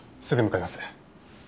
すぐ向かいます。